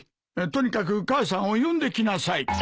とにかく母さんを呼んできなさい。